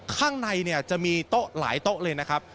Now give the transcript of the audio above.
ข้างในเนี่ยจะมีโต๊ะหลายโต๊ะเลยนะครับ